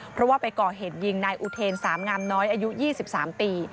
เพราะว่าไปก่อเหตุยิงนายอุเทนสามงามน้อยอายุ๒๓ปี